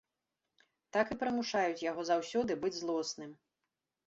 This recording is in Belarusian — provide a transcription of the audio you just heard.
Так і прымушаюць яго заўсёды быць злосным.